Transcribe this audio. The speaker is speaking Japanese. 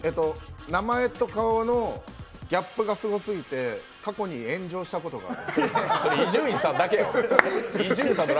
名前と顔のギャップがすごすぎて、過去に炎上したことがある。